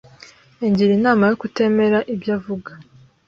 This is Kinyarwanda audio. Yangiriye inama yo kutemera ibyo avuga.